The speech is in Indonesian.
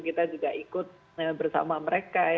kita juga ikut bersama mereka